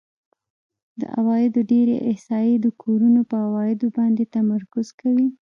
د عوایدو ډېری احصایې د کورونو په عوایدو باندې تمرکز کوي